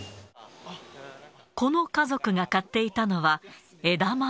この家族が買っていたのは、枝豆。